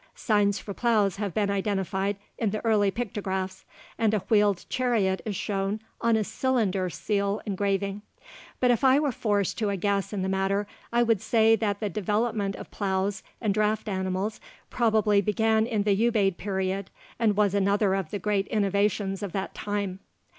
Signs for plows have been identified in the early pictographs, and a wheeled chariot is shown on a cylinder seal engraving. But if I were forced to a guess in the matter, I would say that the development of plows and draft animals probably began in the Ubaid period and was another of the great innovations of that time.